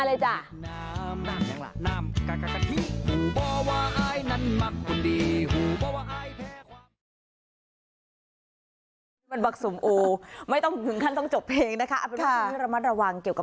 ลาไปก่อนนะคะสวัสดีค่ะ